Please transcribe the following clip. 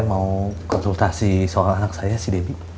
mau konsultasi soal anak saya si debbie